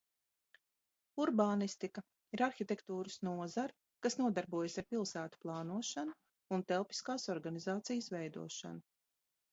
Urbānistika ir arhitektūras nozare, kas nodarbojas ar pilsētu plānošanu un telpiskās organizācijas veidošanu.